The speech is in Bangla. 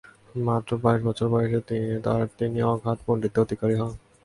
মাত্র বাইশ বছর বয়সে তাঁর তিনি অগাধ পাণ্ডিত্য অধিকারী হন।